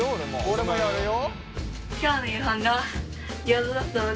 俺もやるよ。